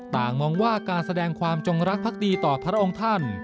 มองว่าการแสดงความจงรักภักดีต่อพระองค์ท่าน